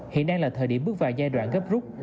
hiện đang là thời điểm bước vào giai đoạn gấp rút